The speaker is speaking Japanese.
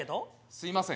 すいません。